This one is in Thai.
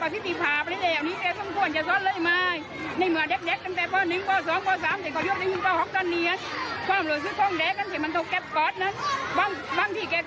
แต่ว่าในเมืองแกไม่มีคุณภาพประสิทธิภาพอะไรแหล่ว